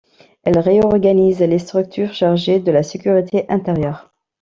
Elle réorganise les structures chargées de la sécurité intérieure.